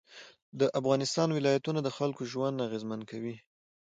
د افغانستان ولایتونه د خلکو ژوند اغېزمن کوي.